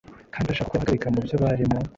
kandi ashaka uko yabahagarika mu byo bari barimo.